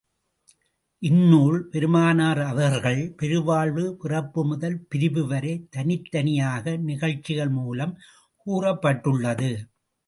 இந்நூல்... பெருமானார் அவர்கள் பெரு வாழ்வு, பிறப்பு முதல் பிரிவு வரை, தனித்தனியாக நிகழ்ச்சிகள் மூலம் கூறப்பட்டுள்ளது.